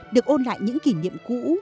được ôn lại những kỷ niệm cũ